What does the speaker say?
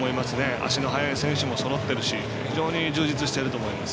足の速い選手もそろってるし非常に充実していると思います。